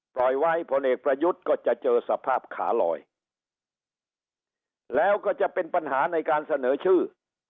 ปล่อยไว้พลเอกประยุทธ์ก็จะเจอสภาพขาลอยแล้วก็จะเป็นปัญหาในการเสนอชื่อ